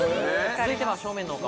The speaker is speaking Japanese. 続いては正面のお顔